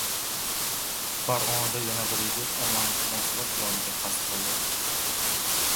Farg‘onada yana bir yigit onlayn qimor sabab joniga qasd qildi